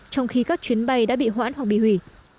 trong khi các chuyến bay đã bị hoãn hoặc bị hủy